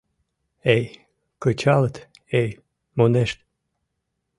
Эй, кычалыт, эй, мунешт.